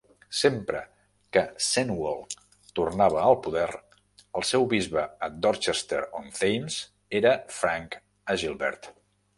Sempre que Cenwalh tornava al poder, el seu bisbe a Dorchester-on-Thames era Frank Agilbert.